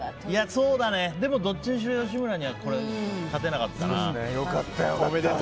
でも、どっちにしろ吉村には勝てなかったな。